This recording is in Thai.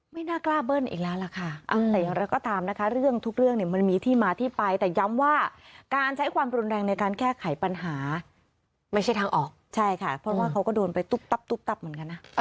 ไม่ได้ทางออกใช่ค่ะเพราะว่าเขาก็โดนไปตุ๊บตับตุ๊บตับเหมือนกันนะ